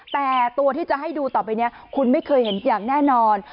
แต่ตัวที่จะให้ดูต่อไปนี้คุณไม่เคยเห็นอย่างแน่นอน